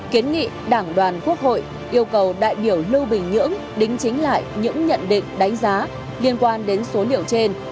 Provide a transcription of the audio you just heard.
kiến nghị đảng đoàn quốc hội yêu cầu đại biểu lưu bình nhưỡng đính chính lại những nhận định đánh giá liên quan đến số liệu trên